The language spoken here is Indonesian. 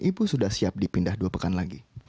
ibu sudah siap dipindah dua pekan lagi